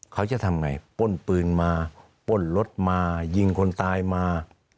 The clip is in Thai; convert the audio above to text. เขาจะทำไงป้นปืนมาป้นรถมายิงคนตายมา